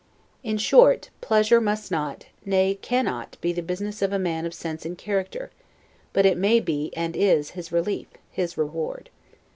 In short, pleasure must not, nay, cannot, be the business of a man of sense and character; but it may be, and is, his relief, his reward.